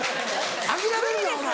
諦めるなお前！